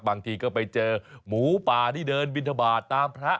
บางทีก็ไปเจอหมูป่าที่เดินบินทบาทตามพระ